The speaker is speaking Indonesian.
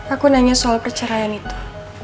aku nanya soal perceraian itu